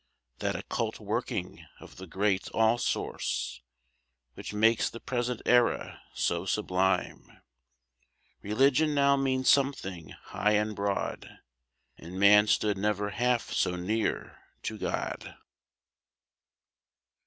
That occult working of the great all Source, Which makes the present era so sublime. Religion now means something high and broad, And man stood never half so near to God.